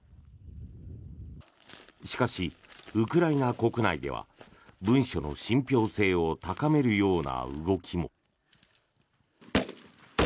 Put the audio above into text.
しかし、ウクライナ国内では文書の信ぴょう性を高めるような動きも。